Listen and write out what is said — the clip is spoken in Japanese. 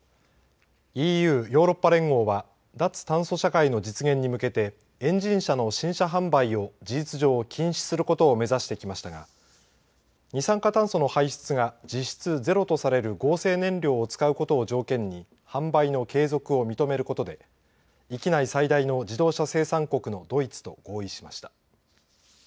ＥＵ＝ヨーロッパ連合は脱炭素社会の実現に向けてエンジン車の新車販売を事実上禁止することを目指してきましたが二酸化炭素の排出が実質ゼロとされる合成燃料を使うことを条件に販売の継続を認めることで域内最大の自動車生産国のドイツと合意しました。